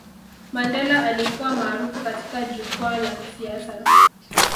mandela alikuwa maarufu katika jukwaa la kisiasa